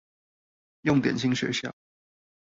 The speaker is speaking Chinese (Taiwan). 用點心學校